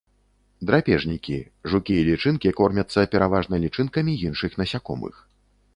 Драпежнікі, жукі і лічынкі кормяцца пераважна лічынкамі іншых насякомых.